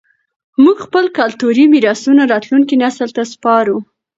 موږ خپل کلتوري میراثونه راتلونکي نسل ته سپارو.